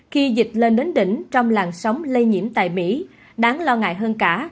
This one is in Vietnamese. khi dịch lên đến đỉnh trong làn sóng lây nhiễm tại mỹ đáng lo ngại hơn cả